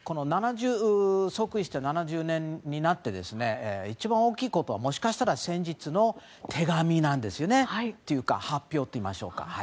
即位して７０年になって一番大きいことは、もしかしたら先日の手紙なんですよね。というか発表といいましょうか。